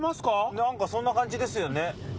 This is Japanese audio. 何かそんな感じですよね